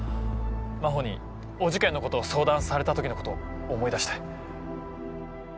真帆にお受験のこと相談された時のこと思い出して。